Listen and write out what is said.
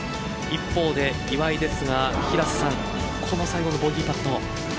一方で岩井ですがこの最後のボギーパット。